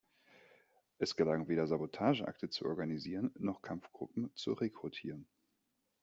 Es gelang weder Sabotageakte zu organisieren, noch Kampfgruppen zu rekrutieren.